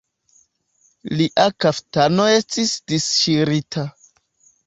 Lia kaftano estis disŝirita.